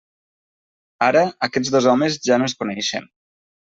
Ara aquests dos homes ja no es coneixen.